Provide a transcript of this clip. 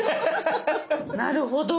なるほど！